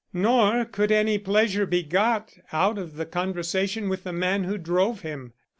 Nor could any pleasure be got out of conversation with the man who drove him.